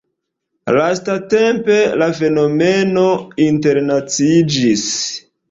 Lastatempe la fenomeno internaciiĝis.